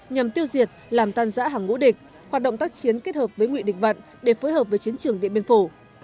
nhằm tiêu diệt làm tan giã hẳng ngũ địch hoạt động tác chiến kết hợp với nguyện địch vận để phối hợp với chiến trường địa biên phủ